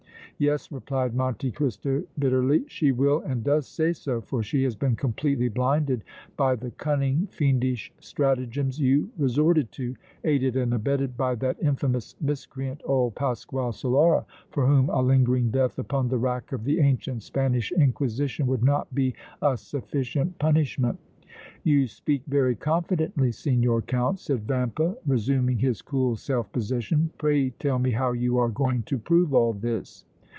"Yes," replied Monte Cristo, bitterly, "she will and does say so, for she has been completely blinded by the cunning, fiendish stratagems you resorted to, aided and abetted by that infamous miscreant old Pasquale Solara, for whom a lingering death upon the rack of the ancient Spanish Inquisition would not be a sufficient punishment!" "You speak very confidently, Signor Count," said Vampa, resuming his cool self possession. "Pray tell me how you are going to prove all this?"